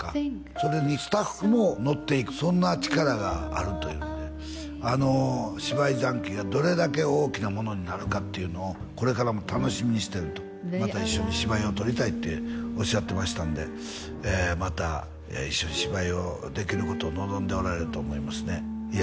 それにスタッフものっていくそんな力があるというねあの芝居ジャンキーがどれだけ大きなものになるかっていうのをこれからも楽しみにしてるとまた一緒に芝居をとりたいっておっしゃってましたんでまた一緒に芝居をできることを望んでおられると思いますねいや